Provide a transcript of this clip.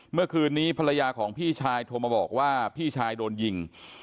เมื่อคืนนี้ภรรยาของพี่ชายโทรมาบอกว่าพี่ชายโดนยิง